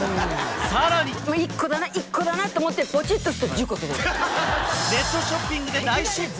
さらに１個だな１個だなと思ってポチッと押すと１０個届いたネットショッピングで大失敗！？